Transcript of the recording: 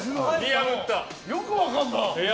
よく分かるな。